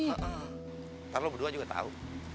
ntar lu berdua juga tau